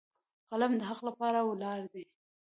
قلم د حق لپاره ولاړ دی